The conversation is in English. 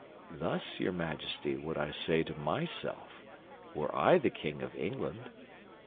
Thus, Your Majesty, would I say to myself, were I the King of England."